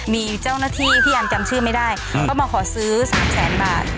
มีเจ้าหน้าที่ที่ยังจำชื่อไม่ได้ก็มาขอซื้อ๓๐๐๐บาท